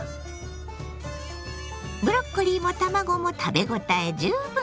ブロッコリーも卵も食べ応え十分。